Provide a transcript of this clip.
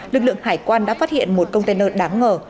lực lượng hải quan đã phát hiện một container đáng ngờ